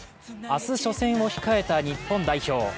明日、初戦を控えた日本代表。